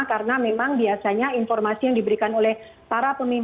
karena memang biasanya informasi yang diberikan oleh para pemerintah